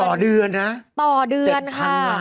ต่อเดือนค่ะ๗๐๐๐ล้านค่ะต่อเดือนค่ะ